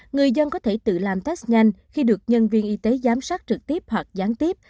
người dân có thể tự làm test nhanh khi được nhân viên y tế giám sát trực tiếp hoặc gián tiếp